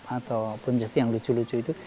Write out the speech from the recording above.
atau bondres yang lucu lucu itu